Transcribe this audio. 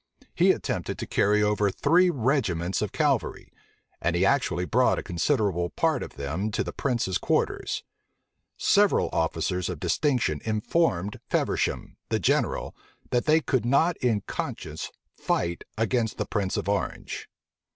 He attempted to carry over three regiments of cavalry; and he actually brought a considerable part of them to the prince's quarters. Several officers of distinction informed Feversham, the general, that they could not in conscience fight against the prince of Orange.